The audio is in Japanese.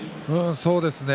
そうですね。